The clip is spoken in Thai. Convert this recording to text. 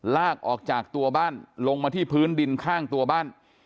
ลากออกจากตัวบ้านลงมาที่พื้นดินข้างตัวบ้าน